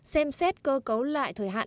xem xét cơ cấu lại thời hạn